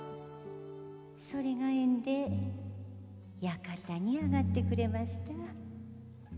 それが縁で館にあがってくれました。